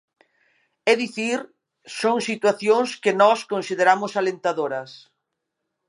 É dicir, son situacións que nós consideramos alentadoras.